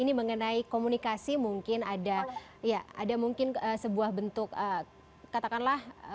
ini mengenai komunikasi mungkin ada mungkin sebuah bentuk katakanlah